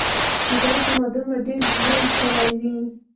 کیدای شي ما دومره ډېر ژوند کړی وي.